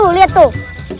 tuh lihat tuh